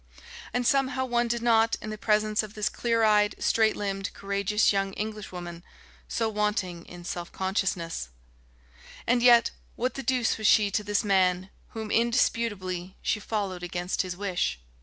And somehow one did not, in the presence of this clear eyed, straight limbed, courageous young Englishwoman, so wanting in self consciousness. And yet ... what the deuce was she to this man whom, indisputably, she followed against his wish?